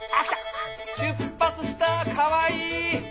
出発したかわいい！